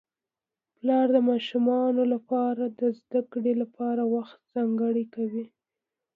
پلار د ماشومانو لپاره د زده کړې لپاره وخت ځانګړی کوي